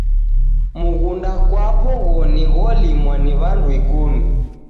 Mughunda kwapo ghoni gholimwa ni wandu ikumi